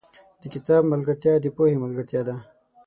• د کتاب ملګرتیا، د پوهې ملګرتیا ده.